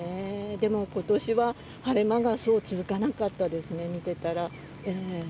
でも、ことしは晴れ間がそう続かなかったですね、見てたら。